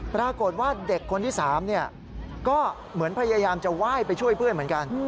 ปรากฏว่าเด็กคนที่๓ก็เหมือนพยายามจะไหว้ไปช่วยเพื่อนเหมือนกัน